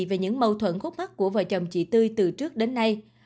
về những mâu thuẫn khúc mắt của vợ chồng chị tươi từ trước đến nay